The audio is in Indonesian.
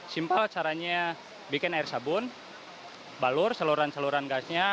simpel caranya bikin air sabun balur seluruh gasnya